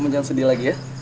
jangan sedih lagi ya